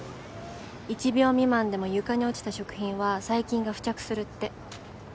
１秒未満でも床に落ちた食品は細菌が付着するって。